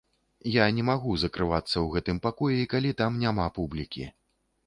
Я не магу закрывацца ў гэтым пакоі, калі там няма публікі.